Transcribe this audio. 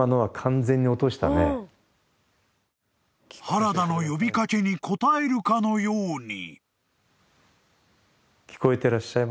［原田の呼び掛けに答えるかのように］